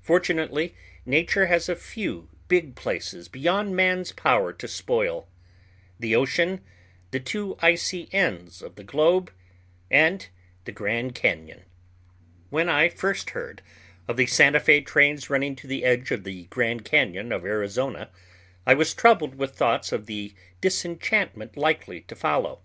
Fortunately, nature has a few big places beyond man's power to spoil—the ocean, the two icy ends of the globe, and the Grand Cañon. [Illustration: THE GRAND CAÑON AT O'NEILL'S POINT] When I first heard of the Santa Fé trains running to the edge of the Grand Cañon of Arizona, I was troubled with thoughts of the disenchantment likely to follow.